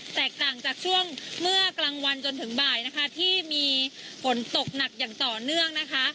แตกต่างจากช่วงเมื่อกลางวันจนถึงบ่ายนะคะที่มีฝนตกหนักอย่างต่อเนื่องนะคะ